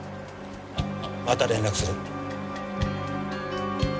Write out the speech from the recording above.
また連絡する。